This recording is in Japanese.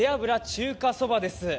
中華そばです。